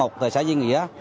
tại xã diên nghĩa